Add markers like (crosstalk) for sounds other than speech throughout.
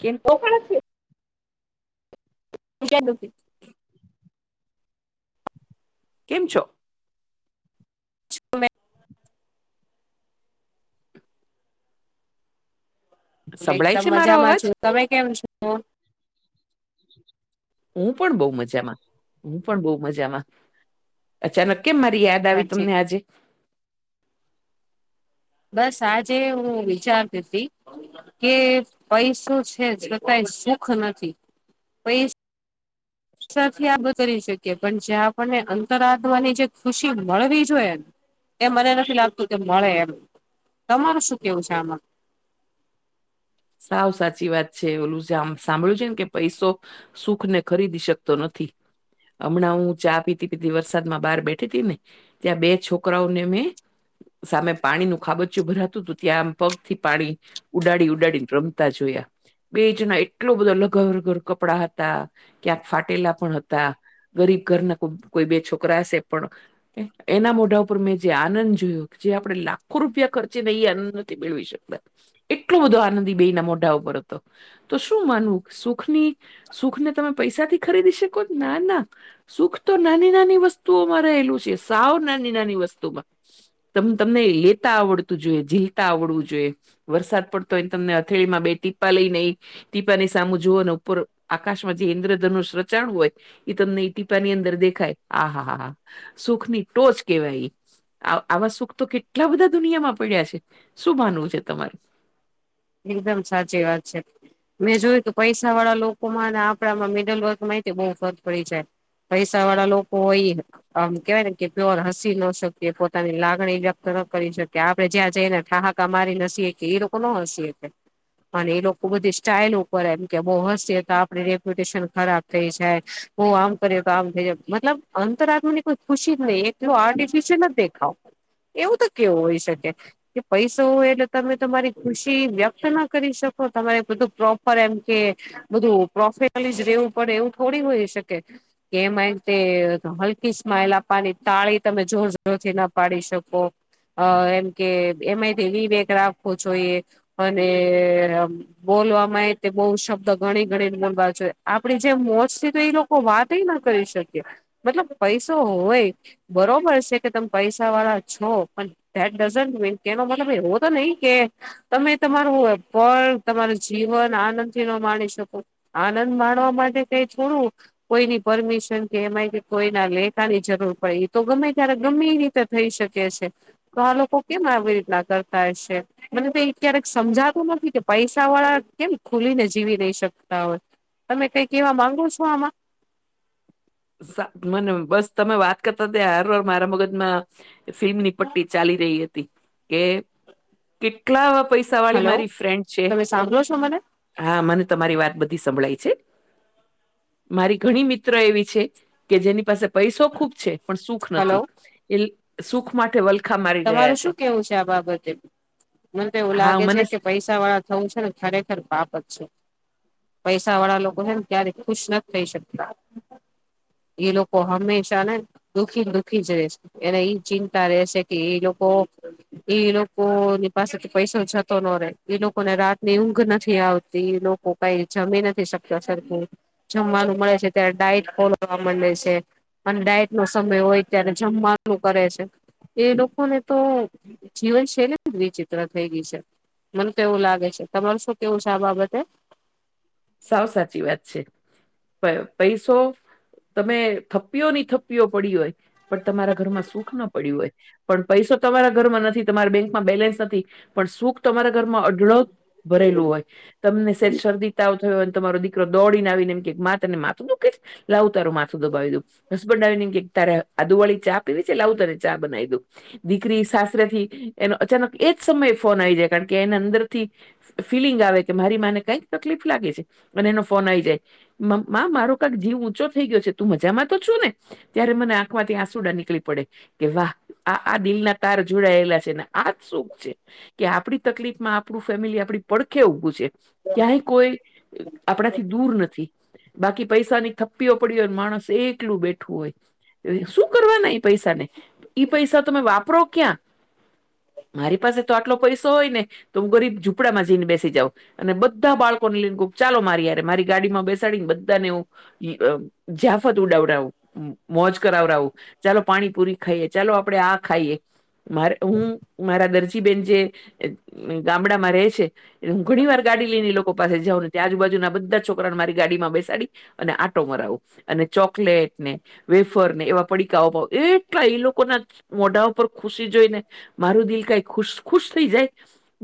કેમ છે (unintelligible) કેમ છો મે હું સંભળાય એકદમ છે મારો મજામાં અવાજ છું તમે કેમ છો હું પણ બહુ મજામાં હું પણ બહુ મજામાં અચાનક કેમ મારી યાદ આવી સાચી તમને આજે બસ આજે હું વિચારતી હતી કે પૈસો છે છતાય સુખ નથી પૈસા પેસા થી આ બ કરી શકીએ પણ જે આપણને અંતર આદવાની જે ખુશી મળવી જોઈએ એ મને નથી લાગતું કે મળે એમ તમારું શું કેવું છે આમાં સાવ સાચી વાત છે ઓલું છે આમ સાંભળ્યું છે ને કે પૈસો સુખ ને ખરીદી શકતો નથી હમણાં હું ચા પીતી પીતી વરસાદ માં બહાર બેઠી હતી ને ત્યા બે છોકરા ઓ ને મે સામે પાણીનું ખાબચું ભરાતું હતું ત્યાં આમ પગ થી પાણી ઉડાડી ઉડાડી રમતા જોયા બેજ ન એટલો બધો લઘરઘર કપડા હતા ક્યાંક ફાટેલા પણ હતા ગરીબ ઘરના કોઈ બે છોકરા હશે પણ એના મોઢા ઉપર મેં જે આનંદ જોયો જે આપડે લાખો રૂપિયા ખર્ચી ને એ આનંદ મેળવી શકતા એટલો બધો આનંદી બે ના મોઢા ઉપર હતો તો શું માનવું સુખ ની સુખ ને તમે પૈસાથી ખરીદી શકો ના ના સુખ તો નાની નાની વસ્તુઓમાં રહેલું છે સાવ નાની નાની વસ્તુમાં ત તમને લેતા આવડતું જોઈએ ઝીલતા આવડવું જોઈએ વરસાદ પડતો હો તમને થેળમાં બે ટીપા લઈ નઈ ટીપાની સામ જોઓ ઉપર આકાશમાં જે ઇન્દ્રધન ન રચાણુ હોય એ તમને ઈ ટીપાની અંદર દેખાય આ હા હા હા સુખ ની ટોચ કેહેવાય આવા સુખ તો કેટલા બધા દુનિયામાં પડ્યા છે શું માનવું છે તમારે એકદમ સાચી વાત છે મેં જોયું ત પૈસા વાળા લોકોમાં અને આપણામાં મિડલ વર્કમાં બહુ ફરક પડી જાય પૈસા વાળા લોકો હોય આમ કેવાય ને કે પ્યોર હસી ન શકીએ પોતાની લાગણી વ્યક્ત ન કરી શકીએ આપડણે જ્યાં જઈને ઠાહ અમારી નસીએ કે એ લોકો ન હસીએ કઈ. પણ એ લોકો બધી સ્ટાઇલ ઉપર એમ કે બહુ હસીએ તો આપડું રેપ્યુટેશન ખરાબ થઈ જાય તો આમ કરએ તો આમ થઈ જાય મતલબ અંતર આત્મ ની કોઈ ખુશી જ નહી એક તો આર્ટિફિશિલ નથ દેખાઓ એવું તો કેવું હોય શકે કે પૈશુ હોય એટલે તમે તમારી ખુશી વ્યક્ ના કરી શકો તમારે બધું પ્રોપર એમ કે બધું પ્રોફેસનલી જ રેવું પડે એવું થોડી હોય શકે. કે એમાં તે હલકી સ્માઈલ આપવાની તાળી તમે જોર જોરથી ના પાડી શકો. અહ એમ કે એમાંથી વિવેક રાખવો જોઈએ અને આમ બોલવામાં એ તે બઉ શબ્દ ગણી ગણીને બોલવા જોઈએ આપે જેમ મોજ થી તો એ લોક કો વાતે ના કરી શકે મતલબ પૈસો હોય બરોબર છે કે તમે પૈસા વાળા છો પણ દેટ ડઝન્ટ મીન કે એનો મતલબ એવો તો નહીં કે તમે તમારું પળ તમારું જીવન આનંદ થી ન માણી શકો. આનંદ માણવા માટે કંઈ થોડુ કોઈની પરમિશન કે એમાંય કોઈના લેહકાની જરૂર પડે તો ગમે ત્યારે ગમે ની તે થઈ શકે છે તો આ લોકો કેમ આવી રીતના કરતા હશે મને તો એ ક્યારેક સમજાતું નથી કે પૈસા વાળા કેમ ખુલીને જીવી નહી શકતા હોય. તમે કઈ કેવા માંગો છો આમાં? સા મને બસ તમે વાત કરતા ત્યા હાર વાર મારા મગજમાં ફિલ્મની પટ્ટી ચાલી રહી હતી કે કેટલા આવા પૈસા વાળી હલો. મારી ફ્રેન્ડ છે તમે સાંભળો છો મને? હા, મને તમારી વાત બધી સંભળાય છે. મારી ઘણી મિત્ર એવી છે કે જેની પાસે પૈસો ખૂબ છે પણ સુખ હલો નથી એ સુખ માટે વલ તમારું શું કેવું છે આ બાબતે? મને તો એવું હા લાગે છે મને કે પૈસા વાળા થવું છે ને ખરેખર પાપ જ છે. પૈસા વાળા લોકો છે ને ક્યારે ખુશ નથ થઇ શકતા. એ લોકો હંમેશા ને દુખી ને દુખી જ રહે છે એને ઈ ચિંતા રહે છે કે એ લોકો ઈ લોકો ની પાસે તો પૈસો જતો નો રે ઈ લોકોને રાત ની ઊંઘ નથી આવતી લો કો કઈ જમી નથી શકતા સરખુ. જમવાનું મળે છે ત્યારે ડાયટ ફોલો કરવા મંડે છે. અને ડાયટ નો સમય હોય ત્યારે જમવાનું કરે છે. એ લોકોને તો જીવનશૈલી જ વિચિત્ર થઈ ગઈ છે. મને તો એવું લાગે છે. તમારો શું કેવું છે, આ બાબતે? સાવ સાચી વાત છે. પ પૈસો તમે થપ્પીયો ની થપ્પીયો પડી હોય પણ તમારા ઘરમાં સુખ ના પડ્યું હોય પણ પૈસો તમારા ઘરમાં નથી તમારી બેંકમાં બેલેન્સ નથી પણ સુખ તમારા ઘરમાં અઢળક ભરેલું હોય તમને શેજ શરદી તાવ થયો અને તમારો દીકરો દોડીને આવીને એમ મા તને માથું દુખાય છે લાવું તારું માથું દબાવી દું બસ બડ ડાઇનિંગ કે તારે અદુવાળી ચા પીવી છે એ લાવ તને ચા બનાઇ દઉં. દીકરી સાસરેથી એનો અચાનક એજ સમયે ફોન આવી જાય કારણ કે એને અંદરથી ફિલિંગ આવે કે મારી માને કઈક તકલીફ લાગે છે અને એનો ફોન આઈ જાય માં મારો કાક જીવ ઊંચો થઈ ગયો છે. તું મજામાં તો છું ને? ત્યારે મને આંખમાંથી આંસુડા નીકળી પડે કે વાહ આ આ દિલના તાર જોડાયેલા છેને, આ જ શોખ છે. કે આપડી તકલીફ માં આપણું ફેમિલી આપડી પડખે ઉભુ છે. ક્યાંય કોઈ આપણાથી દૂર નથી. બાકી પૈસા ની થપ્પીઓ પડી હોય માણસ એકલું બેઠું હોય. શું કરવાના એ પૈસા ને ઈ પૈસા તમે વાપરો ક્યા મારી પાસે તો આટલો પૈસો હોય ને તો હુ, ગરીબ ઝૂપડામાં જઈને બેસી જાઉં અને બધુ બધા બાળકો ને લયને ગુપ ચાલો મારી ય મારી ગાડીમાં બેસાડી ને બધાનેવુ જયાફત ઉડાવડાવુ. મોજ કરાવડાવું ચાલો પાણીપુરી ખાઈએ ચાલો આપડે આ ખાઈએ મારે હું મારા દરજીબેન જે ગામડામાં રહે છે, એટલે હું ઘણી વાર ગાડી ની લોકો પાસે જઉ, ને્યા આજુબાજુના બધા છોકરાને મારી ગાડીમાં બેસાડી અને આટો મરાવું અને ચોકલેટ ને વેફર ને એવા પડીકાઓ ભાવ એટલા એ લોકોના મોઢા પર ખુશી જોઈને. મારું દિલ કઈ ખુશ ખુશ થઈ જાય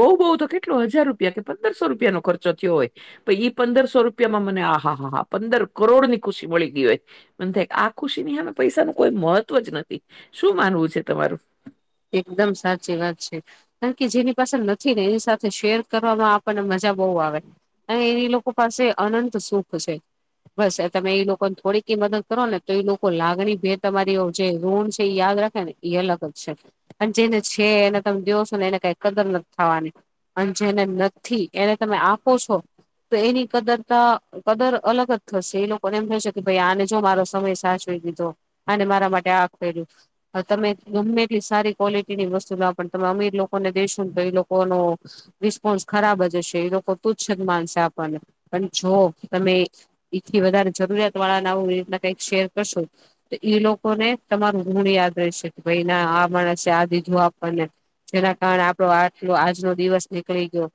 બહુ બહુ તો કેટલો હજાર રૂપિયા કે પંદરસો રૂપિયા રૂપિયા નો ખર્ચો થયો હોય. પ ઈ પંદરસો રૂપિયામાં મને આ હા હા હા પંદર કરોડ ની ખુશી મળી ગઈ હોય. મને થાય આ ખુશી ની આ પૈસા ન કોઈ મહત્વ જ નથી શું માનવું છે, તમારુ એકદમ સાચી વાત છે. કારણ કે જેની પાસેળ નથી ને એની સાથે શેર કરવામાં આપણને મજા બહુ આવે અને એની લોકો પાસે અનત સુખ છે. બસ તમે ઈ લોકોને થોડીક મદદ કરો ને તો એઈ લોકો લાગણી ભે તમારી જે ઋણ છેએ, યાદ રાખે ને એ અલગ જ છે અને જેને છે, એને તમે દવ છો, ને એને કઈ કદર નથી થવાની. અને જેને નથી, એને તમે આપો છો. તો એની કદરતા કદર અલગ જ થશે એ લોકોને એમ થશે કે ભાઈ આને જો મારો સમય સાચ ધો અને મારા માટે આગ કર્યું તમે ગમે તે સારી ક્વોલિટી ની વસ્તુ ના પણ તમે અમીર લોકોને દઈેશો ને તો એ લોકોનો રિસ્પોન્સ ખરાબ જ હશે એ લોકો તુચ્છ જ માનશે આપણને પણ જો તમે એથી વધારે જરૂરિયાત વાળા નાું એીના કઈક શેર કરશો તો એ લોકો ને તમારુ ગુણ યાદ રહેશે કે ભાઈ ના આ માણસ દીધું આપણને જેના કારણે આપડો આટલો આજનો દિવસ નીકળી ગયો.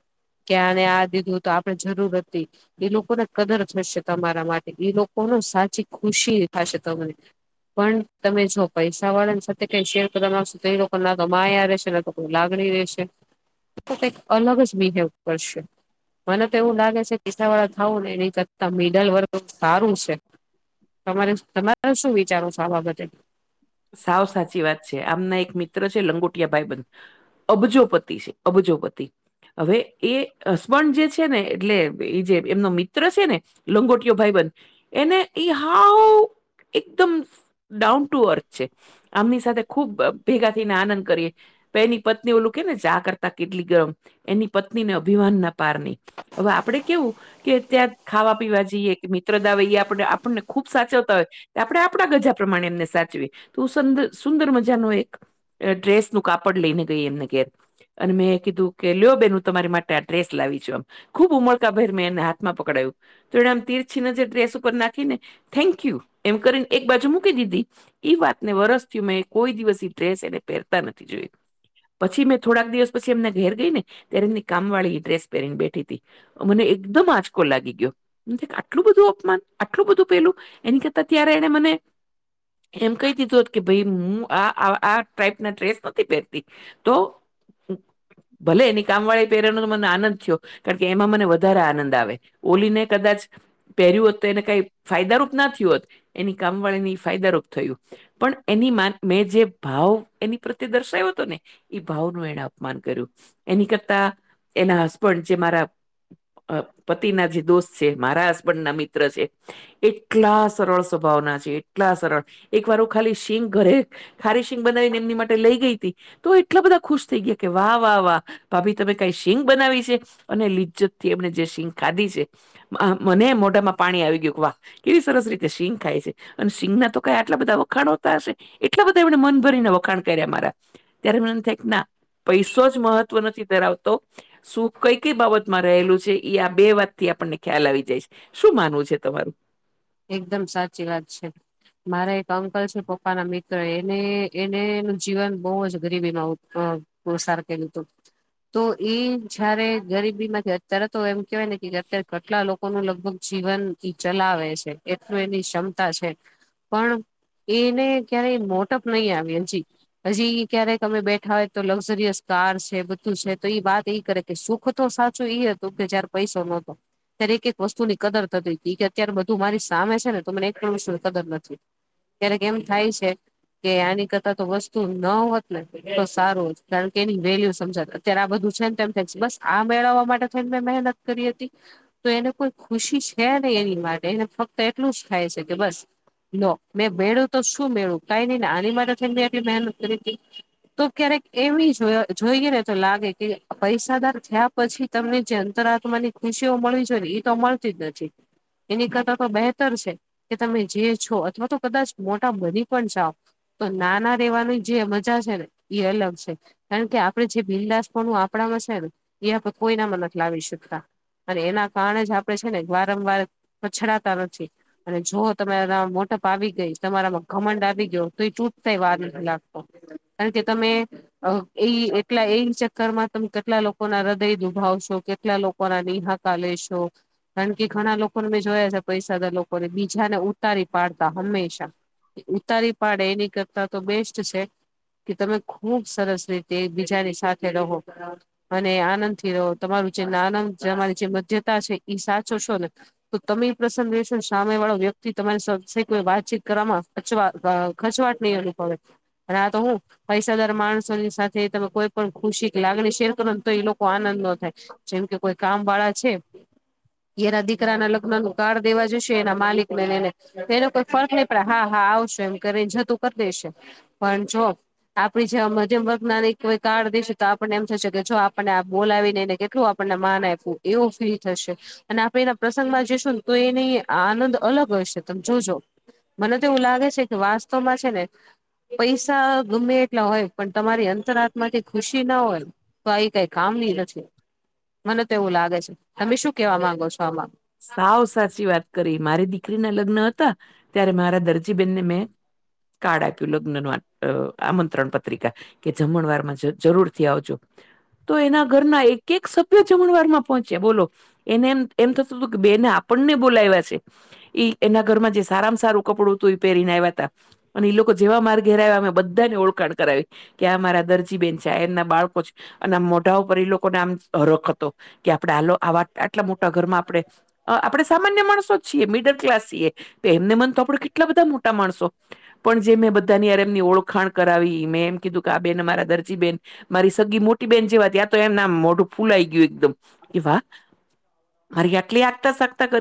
કે આને આ દીધું તો આપડણે જરૂર હતી. એ લોકોને કદર થશે તમારા માટે એ લોકોને સાચી ખુશી થશે તને પણ તમે જો પૈસા વાળા સાથે કઈ શેર કરો તમા સુ ના તો માયા રહેશે ના તો કોઈ લાગણી રહેશે. કઈક અલગ જ બિહેવ કરશે મને તો એવું લાગે છે પીસાાવાળા થાવું ને એની કરતા મિડલ વર્ગ સારુ છે. તમારે તમારે શું વિચારુ છો, આ બાબતે સાવ સાચી વાત છે આમના એક મિત્ર છે, લંગુટિયા ભાઈબન અબજોપતિ છે, અબજોપતિ હવે એ હસબન્ડ જે છેને, એટલે એ જે એમનો મિત્ર છેને. લંગોટીયો ભાઈબન એને ઈ હાઉ એકદમ ડાઉન ટુ અર્થ આમની સાથે ખુબ ભેગા થઈને આનંદ કરીએ પ એની પત્ની ઓલું કે ને ચા કરતા કેટલી ગરમ એની પત્નીને અભિમાન ના પારની હવે આપડે કેવું. કે ત્યાં ખાવા પીવા જઈએ કે મિત્ર દ આવે એ આપ આપણને ખુબ સાચવતા હોય આપણે આપણા ગજા પ્રમાણે એમને સાચવી તો સુંદર સુદંર મજાનો એક એ ડ્રેસ નું કાપડ લઈને ગઈ એમને ઘેર અને મેં કીધું કે લ્યો બેેન હું તમારી માટે આ ડ્રેસ લાવી છું એમ. ખુબ ઉમળકા ભેર મેં એને હાથમાં પકડાયું તો આમ તીરછી નજર ડ્રેસ ઉપર નાખીને થેન્કયુ એમ કરીને એક બાજુ મૂકી દીધી એ વાતને વરસ થીયું મેં કોઈ દિવસ ઈ ડ્રેસ એને પહેરતા નથી જોયું. પછી મેં થોડા દિવસ પછી એમને ઘેર ગઈ ને ત્યારે એમની કામ વાળી એ ડ્રેસ પેરીં ને બેઠી તી. અ મને એકદમ આંચકો લાગી ગયો. એનથી આટલું બધું અપમાન આટલું બધું પેલું એની કરતા ત્યારે એને મને એમ કહી દીધું હોત કે ભાઈ હું આ આ આ ટાઈપ ના ડ્રેસ નથી પહેરતી તો ભલે એની કામ વાળી પેરનો મને આનંદ થયો કારણ કે એમાં મને વધારે આનંદ આવે. ઓલી ને કદાચ પહેર્યું હોત તો એને કઈ ફાયદારૂપ ના થીવ હોત એની કામ વાળી ની ફાયદારૂપ થયું પણ એની મા મેં જે ભાવ એની પ્રત્યે દર્શાયો તો ને એ ભાવનું એને અપમાન કર્યું એની કરતા એના હસબન્ડ જે મારા અ પતિ ના જે દોસ્ત છે મારા હસબન્ડ ના મિત્ર છે. એટલા સરળ સ્વભાવના છે એટલા સરળ એક વાર હુ ખાલી સીગ ઘરે. ખારીશિંગ બનાવીને એમની માટે લઈ ગઈ હતી તો એટલા બધા ખુશ થઈ ગયા કે વાહ વાહ વાહ. ભાભી તમે કઈ સીગ બનાવી છે અને લિજ્જત થી એમને જે સીગ ખાધી છે. મ મને મોઢામાં પાણી આવી ગયું કે વાહ કેવી સરસ રીતે શિંગ ખાય છે અને શિંગ ના તો કાઈ. એટલા બધા વખાણોતા હશે એટલા બધા એમને મન ભરીને વખાણ કર્યા મારા ત્યારે મને એમ થાય કે ના. પૈસો જ મહત્વ નથી ધરાવતો શું કઈ કઈ બાબતમાં રહેલું છે એ આ બે વાત થી આપણને ખ્યાલ આવી જાય છે. શું માનવું છે તમારું એકદમ સાચી વાત છે. મારા એક અંકલ છે પપ્પા ના મિત્ર એને એને એનું જીવન બહુ જ ગરીબીમાં. પ્રોશાર કર્યુ તુ. તો એ જારે ગરીબી માંથી અત્યારે તો એમ કેવાય ને કે અત્યારે કેટલા લોક લોકો નુ લગભગ જીવન ઈ ચલાવે છે એટલું એની ક્ષમતા છે પણ એને ક્યારેય મોટપ નહી આવે હેજી. હજી ક્યારેક અમે બેઠા હોય તો લક્ઝરિયસ કાર છે બધું છે તો એ વાત એઈ કરે કે સુખ તો સાચું ઈ હતું કે જયારે પૈસો નોતો. ત્યારે એક એક વસ્તુ ની કદર થતી ઈ કે અત્યારે બધું મારી સામે છે ને તો મને એક પણ વસ્તુની કદર નથી. ક્યારેક એવું થાય છે. કે આની કરતા તો વસ્તુ ન હોત ને એ તો સારો હોત કારણ કે એની વેલ્યુ સમજાત અત્યારે આ બધું છે ને તેમ થ બસ આ મેળવવા માટે થઈને મેં મહેનત કરી હતી. તો એને કોઈ ખુશી છે ને એની માટે એને ફક્ત એટલું જ થાય છે કે બસ લો મેં મેળવું તો શું મેળવ કઈ નઈ ને આની માટે થી મેં એટલી મહેનત કરી હતી. તો ક્યારેક એવી જો જોઈએ ને તો લાગે કે પૈસાદાર થયા પછી તમને જે અંતર આત્માની ખુશીઓ મળવી જોઈ ને એ તો મળતી જ નથી. એની કરતા તો બેહેતર છે કે તમે જે છો અથવા તો કદાચ મોટા બની પણ જાઓ તો નાના રેવાની જે મજા છે ને ઈ અલગ છે. કારણ કે આપડણે જે બિરલાસપનું આપણામાં છે ને એ આપણે કોઈનામાં નથી લાવી શકતા અને એના કારણે જ આપડે છે ને વારંવાર પછડાતા નથી. અને જો તમારા મોટપ આવી ગઈ, તમારામાં ઘમંડ આવી ગયો તો એ ચૂટ થાય વાર નથી લાગતો. કારણ કે તમે અ એય એટલે એય ચક્કર માં તમે કેટલા લોકો ના હૃદય દુભાવશો, કેટલા લોકો લોકો ના નિહાકા લેેશો કારણ કે ઘણા લોકો મે જોયા છે પૈસાદાર લોકોને બીજા ને ઉતારી પાડતા હંમેશા ઉતારી પાડે એની કરતા તો બેસ્ટ છે કે તમે ખુબ સરસ રીતે બીજાની સાથે રહો. અને આનંદ થી રહો. તમારું જે નાન, તમારી જે મધ્યતા છે ઈ સાચવસો ને. તો તમે એ પ્રસન્ન રહેશો સામે વાળો વ્યક્તિ તમારી કો વાતચીત કરવામાં અચવા અ ખચવાટ નય અનુભવે પણ આ તો હું પૈસાદાર માણસોની સાથે તમે કોઈ પણ ખુશી કે લાગણી શેર કરો ને તો એ લોકો આનંદ ન થાય. જેમ કે કોઈ કામ વાળા છે એના દીકરા ના લગ લગ્ન નું કાર્ડ દેવા જશે એના માલિકને લય ને એનો કોઈ ફર્ક નય પડે હા હા આવસે એમ કરી ને જતું કરી દેશે પણ જો આપડી જેવા મધ્યમ વર્ગ ના કોઈ કાર્ડ દેશે તો આપણને એમ થશે કે જો આપણને બોલાવીને કેટલું આપ આપણ ને માન આયપૂ એવ ફીલ થશે અને આપડે એના પ્રસંગમાં જસુ ને તો એની આનંદ અલગ હશે તમે જોજો. મને તો એવું લાગે છે કે વાસ્તવમાં છે ને પૈસા ગમે એટલા હોય પણ તમારી અંતર આત્મા થી ખુશી ન હોય તો આ કાઈ કામની નથી મને તો એવું લાગે છે, તમે શું કેવા માંગો છો આમા. સાવ સાચી વાત કરી. મારી દીકરીના લગ્ન હતા ત્યારે મારા દરજીબેનને મેં કાડ આપ્યું લગ્ન નું આમંત્રણ પત્રિકા કે જમણવાર માં જરૂરથી આવજો. તો એના ઘરના એક એક સભ્ય જમણવારમાં પહોંચે બોલો એનેમ એમ થતું તું થતું તું કે બેને આપણને બોલાવ્યા છે. ઈ એના ઘરમાં જે સારામાં સારું કપડું હતું એ પહેરીને આયવાતા. અને ઈ લોકો જેવા મારા ઘેરે આયવા અમે બધાને ઓળખાણ કરાવી. કે આ મારા દરજીબેન છે આ એમના બાળકો છે. અને આમ મોઢા ઉપર એ લોકોને આમ હરખ હતો કે આપડે આલો આવા આટલા મોટા ઘરમાં આપડે અ આપણે સામાન સામાન્ય માણસો જ છીએ, મિડલ ક્લાસ છીએ તો એમને મન તો આપડે કેટલા બધા મોટા માણસો પણ જે મેં બધાની હારે એમની ઓળખાણ કરાવી, મેં એમ કીધું કે આ બેન અમારા દરજીબેેન મારી સગી મોટી બેહેન જેવા ત્યાં તો એમ ના આમ મોઢું ફૂલાઈ ગયું એકદમ એ વાહ મારી આટલી આગતાશાગતા કરી.